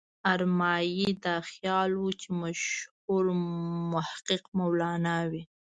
ارمایي دا خیال و چې مشهور محقق مولانا وي.